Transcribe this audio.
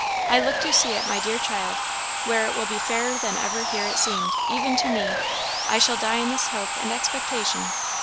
I look to see it, my dear child, where it will be fairer than ever here it seemed, even to me. I shall die in this hope and expectation.